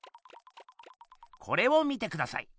これを見てください。